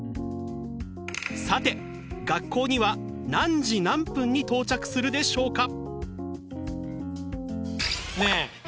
さて学校には何時何分に到着するでしょうか？